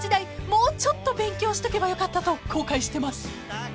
もうちょっと勉強しとけばよかったと後悔してます］